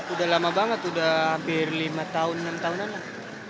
udah lama banget udah hampir lima tahun enam tahunan lah